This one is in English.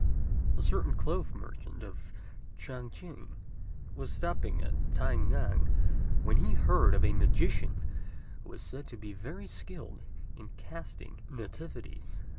A certain cloth merchant of Ch'ang ch'ing was stopping at T'ai ngan, when he heard of a magician who was said to be very skilled in casting nativities.